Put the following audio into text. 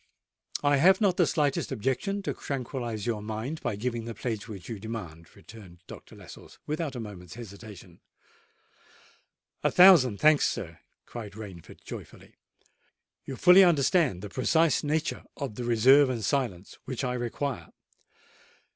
"I have not the slightest objection to tranquillise your mind by giving the pledge which you demand," returned Dr. Lascelles, without a moment's hesitation. "A thousand thanks, sir!" cried Rainford joyfully. "You fully understand the precise nature of the reserve and silence which I require?"